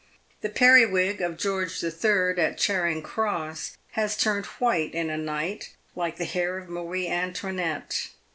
The periwig of Greorge III., at Charing cross, has turned white in a night, like the hair of Marie Antoinette.